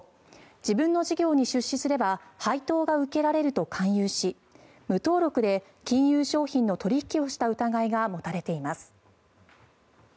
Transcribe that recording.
自分の事業に出資すれば配当が受けられると勧誘し無登録で金融商品の取引をした疑いが持たれています。